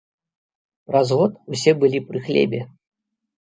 Праз год усе былі пры хлебе.